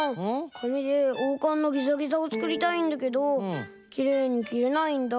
かみでおうかんのギザギザをつくりたいんだけどきれいにきれないんだ。